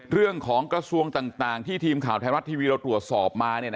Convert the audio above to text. เรื่องของกระทรวงต่างที่ทีมข่าวแทนรัฐทีวีเราตรวจสอบมา